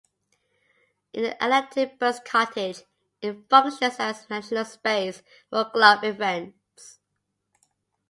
In the Atlanta Burns Cottage it functions as additional space for club events.